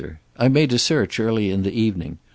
"I made a search early in the evening.